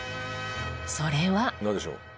それは。